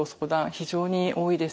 非常に多いです。